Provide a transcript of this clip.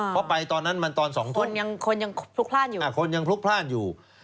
เพราะไปตอนนั้นมันตอน๒ทุ่มคนยังพลุกพลาดอยู่